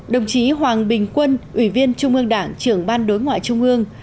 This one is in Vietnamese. đồng chí hoàng bình quân ủy viên trung ương đảng trưởng ban đối ngoại trung ương